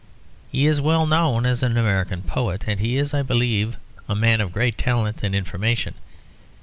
He is well known as an American poet; and he is, I believe, a man of great talent and information.